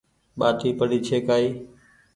ٻآٽي پڙي ڇي ڪآئي